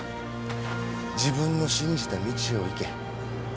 自分の信じた道を行け。